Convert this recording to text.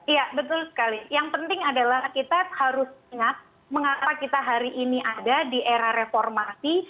iya betul sekali yang penting adalah kita harus ingat mengapa kita hari ini ada di era reformasi